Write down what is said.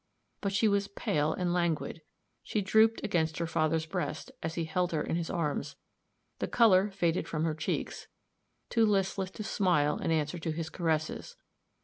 But she was pale and languid; she drooped against her father's breast, as he held her in his arms, the color faded from her cheeks, too listless to smile in answer to his caresses.